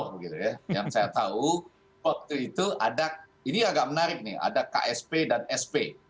yang saya tahu waktu itu ada ini agak menarik nih ada ksp dan sp